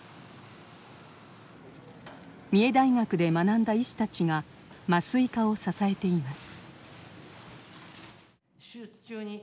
三重大学で学んだ医師たちが麻酔科を支えています。